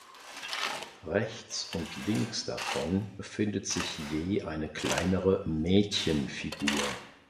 Rechts und links davon befindet sich je eine kleinere Mädchenfigur.